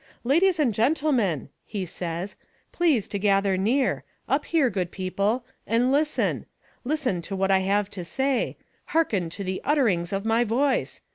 "Ladies and gentlemen," he says, "please to gather near up here, good people and listen! Listen to what I have to say harken to the utterings of my voice!